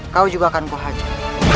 kau juga akan kuhacat